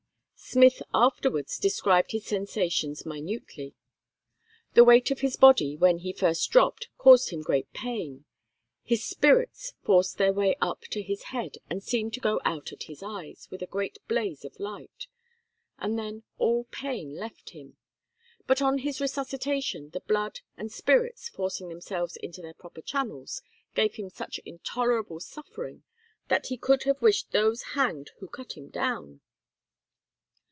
Smith afterwards described his sensations minutely. The weight of his body when he first dropped caused him great pain; his "spirits" forced their way up to his head and seemed to go out at his eyes with a great blaze of light, and then all pain left him. But on his resuscitation the blood and "spirits" forcing themselves into their proper channels gave him such intolerable suffering "that he could have wished those hanged who cut him down."